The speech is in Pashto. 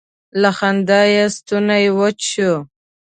له خندا یې ستونی وچ شو.